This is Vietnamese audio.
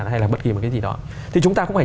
hay là bất kỳ một cái gì đó thì chúng ta cũng phải